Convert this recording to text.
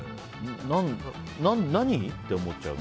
何？って思っちゃう。